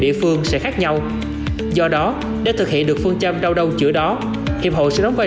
địa phương sẽ khác nhau do đó để thực hiện được phương châm rau chữa đó hiệp hội sẽ đóng vai